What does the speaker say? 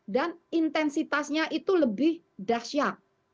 dan intensitasnya itu lebih dahsyat